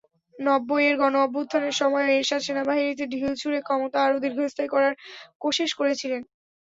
নব্বইয়ে গণ-অভ্যুত্থানের সময়ও এরশাদ সেনাবাহিনীতে ঢিল ছুড়ে ক্ষমতা আরও দীর্ঘস্থায়ী করার কোশেশ করেছিলেন।